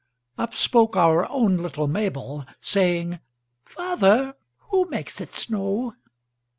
Up spoke our own little Mabel, Saying, "Father, who makes it snow?"